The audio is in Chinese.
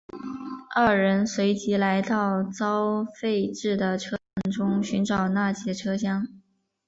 二人随即来到遭废置的车站中寻找那节车厢。